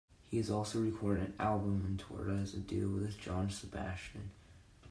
He has also recorded an album and toured as a duo with John Sebastian.